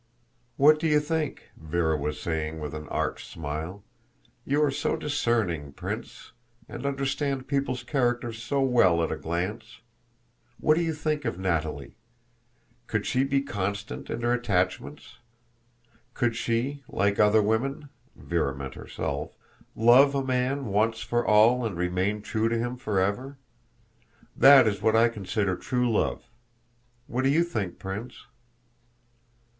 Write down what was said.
"What do you think?" Véra was saying with an arch smile. "You are so discerning, Prince, and understand people's characters so well at a glance. What do you think of Natalie? Could she be constant in her attachments? Could she, like other women" (Véra meant herself), "love a man once for all and remain true to him forever? That is what I consider true love. What do you think, Prince?"